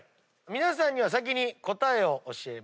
皆さんには先に答えを教えます。